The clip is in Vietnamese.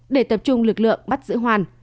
để tập trung lực lượng bắt giữ hoàn